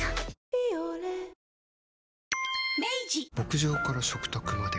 「ビオレ」牧場から食卓まで。